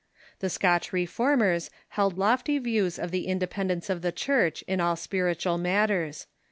The Scotch Reformers held lofty views of the independence of the Church in all spiritual matters.